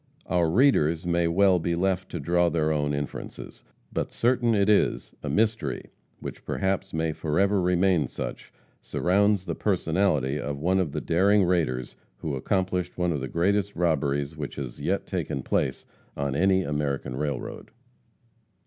Our readers may well be left free to draw their own inferences. But certain it is, a mystery, which perhaps may forever remain such, surrounds the personality of one of the daring raiders who accomplished one of the greatest robberies which has yet taken place on any American railroad.